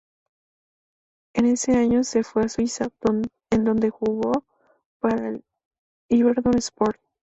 En ese año se fue a Suiza, en donde jugó para el Yverdon-Sport.